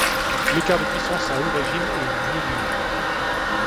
L’écart de puissance à haut régime est minime.